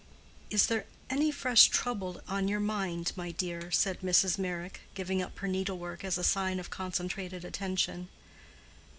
"Is there any fresh trouble on your mind, my dear?" said Mrs. Meyrick, giving up her needlework as a sign of concentrated attention.